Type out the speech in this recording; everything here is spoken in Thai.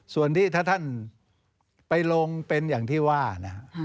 ส่วนที่ถ้าท่านไปลงเป็นอย่างที่ว่านะฮะ